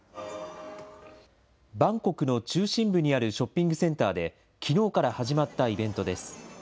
バンコクの中心部にあるショッピングセンターで、きのうから始まったイベントです。